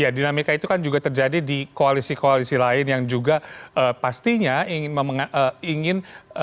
dinamika itu kan juga terjadi di koalisi koalisi lain yang juga pastinya ingin